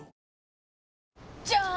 じゃーん！